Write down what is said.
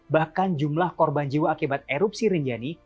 bahkan jumlah korban jiwa akibat erupsi rinjani